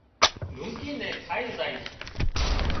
لونڪي نين کائي زائيش